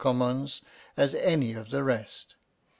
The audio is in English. suns as any of the rest.